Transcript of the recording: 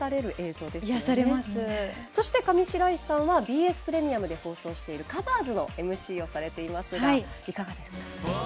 そして、上白石さんはＢＳプレミアムで放送されている「Ｃｏｖｅｒｓ」のＭＣをされていますが、いかがですか？